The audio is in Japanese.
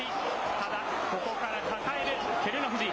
ただ、ここから抱える、照ノ富士。